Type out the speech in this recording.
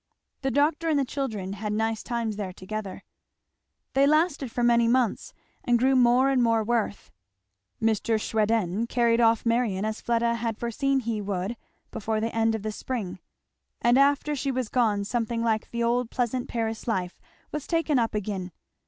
The doctor and the children had nice times there together. They lasted for many months, and grew more and more worth. Mr. Schweden carried off Marion, as Fleda had foreseen he would, before the end of spring; and after she was gone something like the old pleasant Paris life was taken up again.